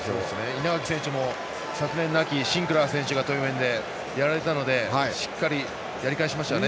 稲垣選手も昨年の秋シンクラー選手が対面でやられたのでしっかり、やり返しましたね。